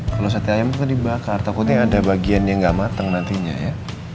kalau sate ayam kan dibakar takutnya ada bagian yang gak mateng nantinya ya